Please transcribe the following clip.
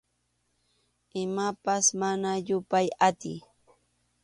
Imapas mana yupay atiy.